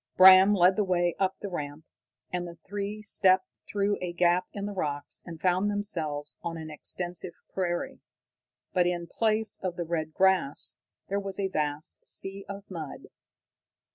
Bram led the way up the ramp, and the three stepped through a gap in the rocks and found themselves on an extensive prairie. But in place of the red grass there was a vast sea of mud.